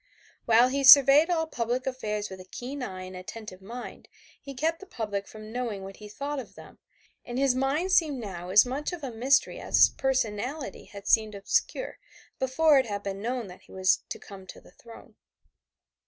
While he surveyed all public affairs with a keen eye and attentive mind, he kept the public from knowing what he thought of them, and his mind seemed now as much of a mystery as his personality had seemed obscure before it had been known that he was to come to the throne.